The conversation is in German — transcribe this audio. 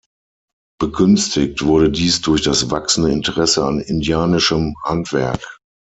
Begünstigt wurde dies durch das wachsende Interesse an indianischem Handwerk.